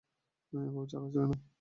এভাবে চালাচ্ছে কেন?